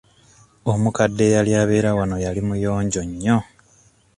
Omukadde eyali abeera wano yali muyonjo nnyo.